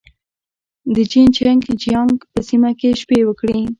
د جين چنګ جيانګ په سیمه کې شپې وکړې.